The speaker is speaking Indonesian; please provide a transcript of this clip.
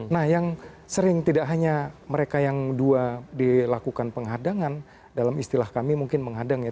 nah yang sering tidak hanya mereka yang dua dilakukan penghadangan dalam istilah kami mungkin menghadang ya